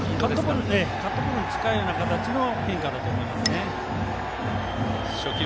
カットボールに近いような形の変化だと思います。